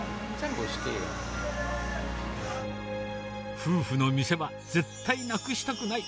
夫婦の店は、絶対なくしたくない。